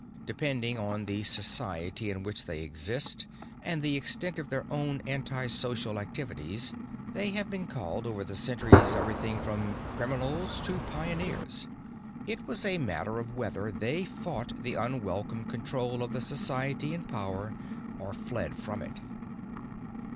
Depending on the society in which they exist and the extent of their own antisocial activities, they have been called, over the centuries, everything from "criminals" to "pioneers." It was a matter of whether they fought the unwelcome control of the society in power or fled from it.